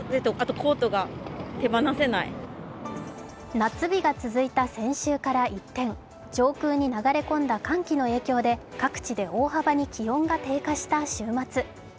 夏日が続いた先週から一転、上空に流れ込んだ寒気の影響で各地で大幅に気温が低下した週末。